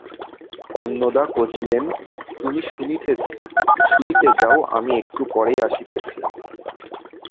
অন্নদা কহিলেন, তুমি শুইতে যাও, আমি একটু পরেই যাইতেছি।